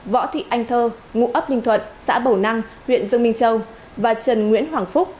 võ thị anh thơ ngụ ấp ninh thuận xã bầu năng huyện dương minh châu và trần nguyễn hoàng phúc